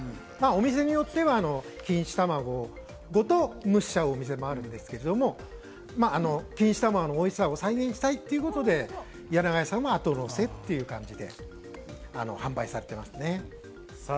お店によっては錦糸卵ごと蒸しちゃうお店もあるんですけれども、錦糸卵のおいしさを再現したいということで柳川屋さんもあとのせで販売されています。